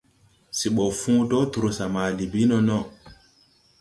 Se ɓɔ fõõ dɔɔ trusa ma Libi nono.